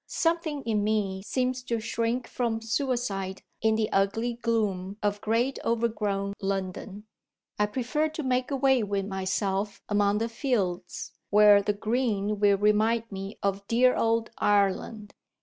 Something in me seems to shrink from suicide in the ugly gloom of great overgrown London. I prefer to make away with myself among the fields, where the green will remind me of dear old Ireland.